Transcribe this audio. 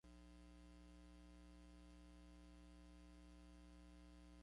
The mistake had damaged his reputation.